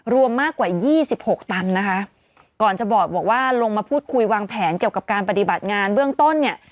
รวมมากกว่ายี่สิบหกตันนะคะก่อนจะบอกว่าลงมาพูดคุยวางแผนเกี่ยวกับการปฏิบัติงานเบื้องต้นเนี่ย